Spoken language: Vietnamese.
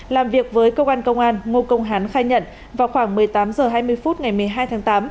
làm việc với cơ quan công an ngô công hán khai nhận vào khoảng một mươi tám h hai mươi phút ngày một mươi hai tháng tám